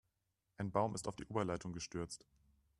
Ein Baum ist auf die Oberleitung gestürzt.